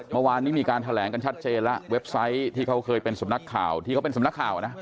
เมื่อวานนี้มีการแถลงกันชัดเจนแล้วเว็บไซต์ที่เขาเคยเป็นสำนักข่าว